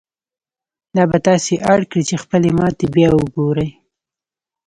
دا به تاسې اړ کړي چې خپلې ماتې بيا وګورئ.